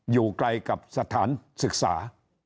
อยู่ไกลกับสถานศึกษา